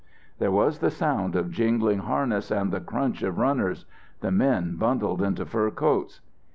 There was the sound of jingling harness and the crunch of runners. The men bundled into fur coats.